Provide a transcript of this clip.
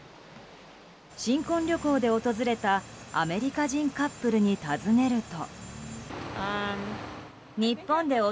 新婚旅行で訪れたアメリカ人カップルに尋ねると。